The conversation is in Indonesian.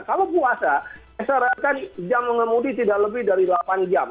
kalau puasa saya sarankan jam mengemudi tidak lebih dari delapan jam